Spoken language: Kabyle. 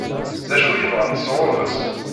D acu i bɣant sɣur-s?